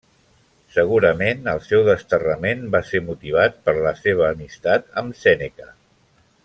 Segurament el seu desterrament va ser motivat per la seva amistat amb Sèneca.